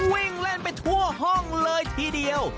วิ่งเล่นไปทั่วห้องเลยทีเดียว